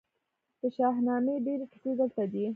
د شاهنامې ډیرې کیسې دلته دي